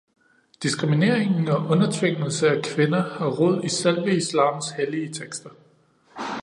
Diskrimineringen og undertvingelse af kvinder har rod i selve islams hellige tekster.